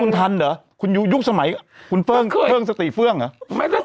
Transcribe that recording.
พรุ่งทันเหรอครับยุคสมัยครับคุณเฟิ่งเววงสติเฟื่องหรอไม่ก็